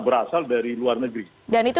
berasal dari luar negeri dan itu